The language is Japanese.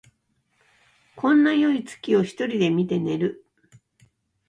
こんなよい月を一人で見て寝る